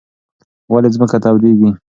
ولې ځمکه تودېږي؟